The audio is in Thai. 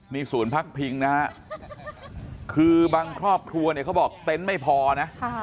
นี่ศูนย์พักพิงนะฮะคือบางครอบครัวเนี่ยเขาบอกเต็นต์ไม่พอนะ